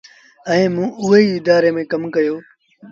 ائيٚݩ موݩ اُئي ادآري ميݩ ڪم ڪيو۔